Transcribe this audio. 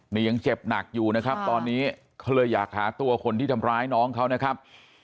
นี่ยังเจ็บหนักอยู่นะครับตอนนี้เขาเลยอยากหาตัวคนที่ทำร้ายน้องเขานะครับ